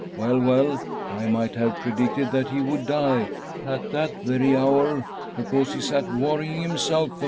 Well, well, I might have predicted that he would die at that very hour, because he sat worrying himself about.